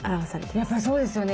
やっぱりそうですよね。